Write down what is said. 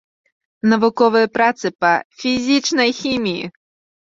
Навуковыя працы па фізічнай хіміі.